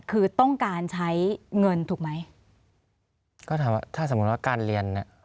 คือต้องการใช้เงินถูกไหมก็ถามว่าถ้าสมมุติว่าการเรียนเนี้ย